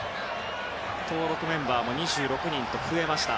登録メンバーも２６人と増えました。